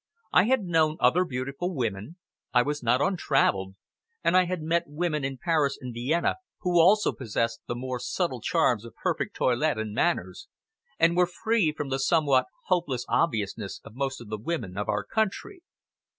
I had known other beautiful women, I was not untravelled, and I had met women in Paris and Vienna who also possessed the more subtle charms of perfect toilet and manners, and were free from the somewhat hopeless obviousness of most of the women of our country.